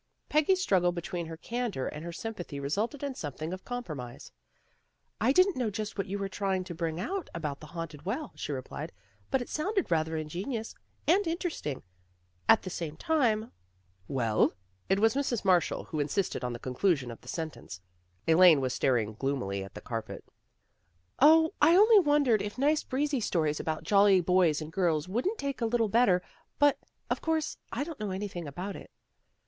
" Peggy's struggle between her candor and her sympathy resulted in something of compromise. " I didn't know just what you were trying to bring out about the haunted well," she replied. " But it sounded rather ingenious, and inter esting. At the same tune " 142 THE GIRLS OF FRIENDLY TERRACE "Well?" It was Mrs. Marshall who in sisted on the conclusion of the sentence. Elaine was staring gloomily at the carpet. " 0, I only wondered if nice breezy stories about jolly boys and girls wouldn't take a little better, but, of course, I don't know anything about it."